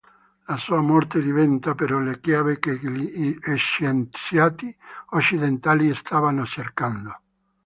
La sua morte diventa però la chiave che gli scienziati occidentali stavano cercando.